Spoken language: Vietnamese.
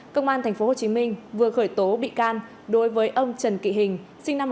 công an tp hcm vừa khởi tố bị can đối với ông trần kỵ hình sinh năm một nghìn chín trăm sáu mươi một